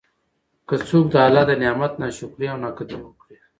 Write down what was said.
که څوک د الله د نعمت نا شکري او نا قدري وکړي